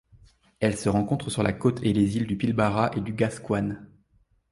Elle se rencontre sur la côte et les îles du Pilbara et du Gascoyne.